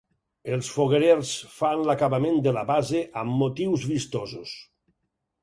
Els foguerers fan l’acabament de la base amb motius vistosos.